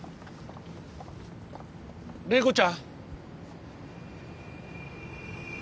麗子ちゃん。